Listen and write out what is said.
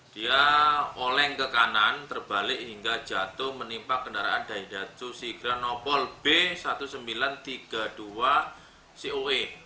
dia oleng ke kanan terbalik hingga jatuh menimpa kendaraan daidatu sigranopol b seribu sembilan ratus tiga puluh dua cow